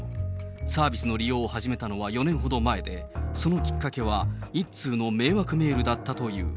サービスの利用を始めたのは４年ほど前で、そのきっかけは１通の迷惑メールだったという。